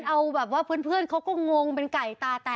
อ้าวงงไง